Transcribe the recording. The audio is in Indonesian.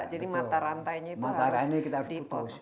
jadi mata rantainya itu harus dipotong